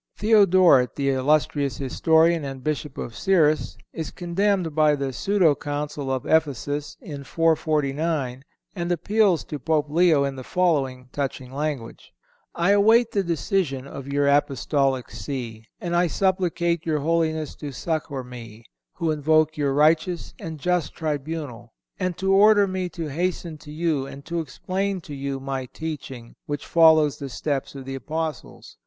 Theodoret, the illustrious historian and Bishop of Cyrrhus, is condemned by the pseudo council of Ephesus in 449, and appeals to Pope Leo in the following touching language: "I await the decision of your Apostolic See, and I supplicate your Holiness to succor me, who invoke your righteous and just tribunal; and to order me to hasten to you, and to explain to you my teaching, which follows the steps of the Apostles....